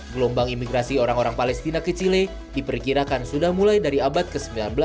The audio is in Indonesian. gelombang imigrasi orang orang palestina ke chile diperkirakan sudah mulai dari abad ke sembilan belas